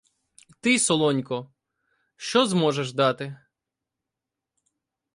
Ти, Солонько, що зможеш дати?